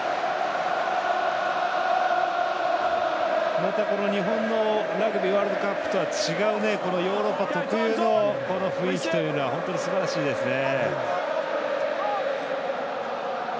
全く日本のラグビーワールドカップとは違う違うヨーロッパ特有の雰囲気はすばらしいですね。